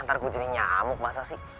ntar gue jadi nyamuk masa sih